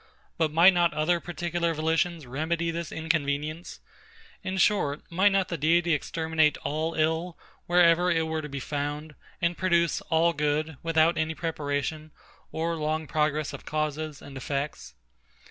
But might not other particular volitions remedy this inconvenience? In short, might not the Deity exterminate all ill, wherever it were to be found; and produce all good, without any preparation, or long progress of causes and effects?